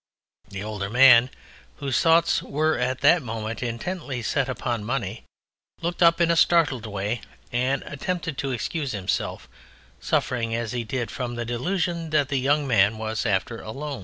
The Older Man, whose thoughts were at that moment intently set upon money, looked up in a startled way and attempted to excuse himself, suffering as he did from the delusion that the Young Man was after a loan.